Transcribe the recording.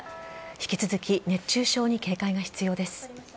引き続き熱中症に警戒が必要です。